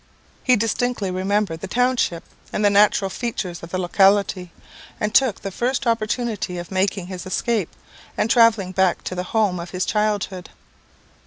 He distinctly remembered the township and the natural features of the locality, and took the first opportunity of making his escape, and travelling back to the home of his childhood.